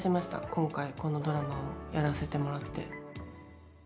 今回このドラマをやらせてもらって。